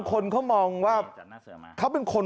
คนเขามองว่าเขาเป็นคน